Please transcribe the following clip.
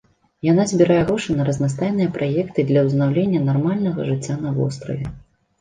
Яна збірае грошы на разнастайныя праекты для ўзнаўлення нармальнага жыцця на востраве.